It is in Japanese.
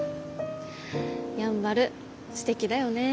やんばるすてきだよね。